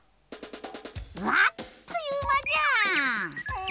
あっというまじゃーん！